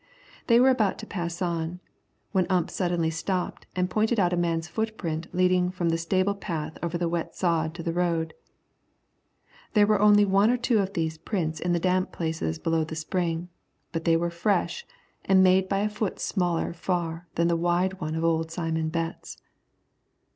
They were about to pass on, when Ump suddenly stopped and pointed out a man's footprints leading from the stable path over the wet sod to the road. There were only one or two of these prints in the damp places below the spring, but they were fresh, and made by a foot smaller far than the wide one of old Simon Betts.